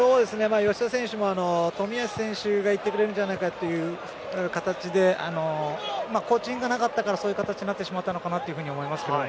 吉田選手も冨安選手が行ってくれるんじゃないかという形でコーチングがなかったからそういう形になってしまったんじゃないかと思います。